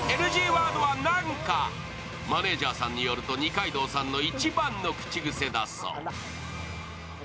マネージャーさんによると、二階堂さんの一番の口癖だそう。